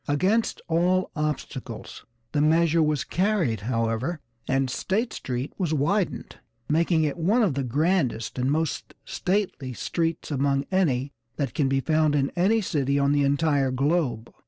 Against all obstacles the measure was carried, however, and State Street was widened, making it one of the grandest and most 'stately' streets among any that can be found in any city on the entire globe.